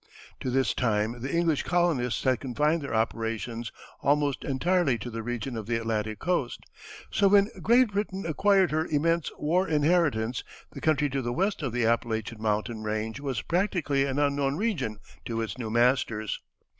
To this time the English colonists had confined their operations almost entirely to the region of the Atlantic Coast, so when Great Britain acquired her immense war inheritance the country to the west of the Appalachian Mountain range was practically an unknown region to its new masters.